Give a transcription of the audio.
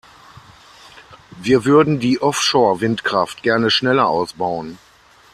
Wir würden die Offshore-Windkraft gerne schneller ausbauen.